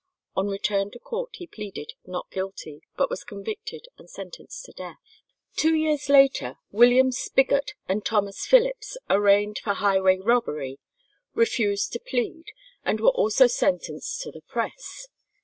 On return to court he pleaded "Not guilty," but was convicted and sentenced to death. Two years later, William Spiggot and Thomas Phillips, arraigned for highway robbery, refused to plead, and were also sentenced to the press.